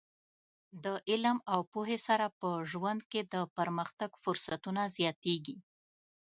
د علم او پوهې سره په ژوند کې د پرمختګ فرصتونه زیاتېږي.